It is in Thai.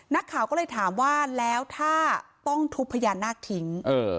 นักข่าวก็เลยถามว่าแล้วถ้าต้องทุบพญานาคทิ้ง